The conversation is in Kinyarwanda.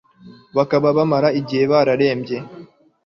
bakaba bamara igihe bararembye